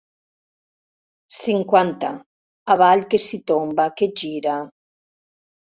Cinquanta avall que si tomba que gira.